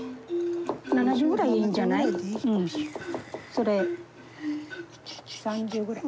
７０ぐらいいいんじゃない？３０ぐらい。